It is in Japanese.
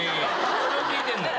それを聞いてるんだよ。